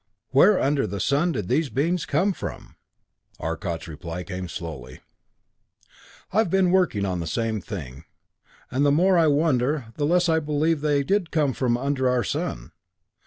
Where under the sun did these beings come from?" Arcot's reply came slowly. "I've been wondering the same thing. And the more I wonder, the less I believe they did come from under our sun.